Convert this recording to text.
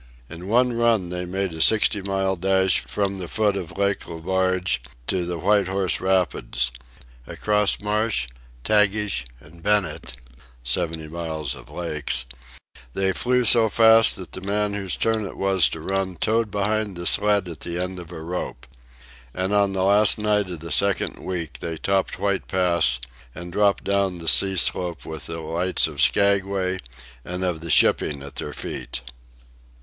In one run they made a sixty mile dash from the foot of Lake Le Barge to the White Horse Rapids. Across Marsh, Tagish, and Bennett (seventy miles of lakes), they flew so fast that the man whose turn it was to run towed behind the sled at the end of a rope. And on the last night of the second week they topped White Pass and dropped down the sea slope with the lights of Skaguay and of the shipping at their feet.